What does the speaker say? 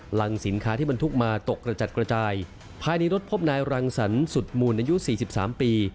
หลังสินค้าให้บันทุกข์มาตกละจัดกระจายไพ้ในรถพบนายลังสรรดิสุดหมู่นายุ๔๓ปี